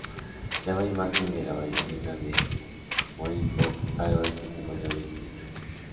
La bella imagen de la bailarina de Mohenjo-Daro es testimonio de este hecho.